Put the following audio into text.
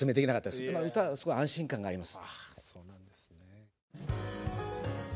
でも歌はすごい安心感があります。